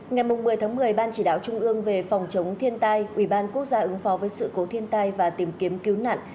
ngày một mươi một mươi ban chỉ đạo trung ương về phòng chống thiên tai ubnd ứng phó với sự cố thiên tai và tìm kiếm cứu nạn